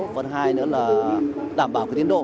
và thứ hai là đảm bảo tiến độ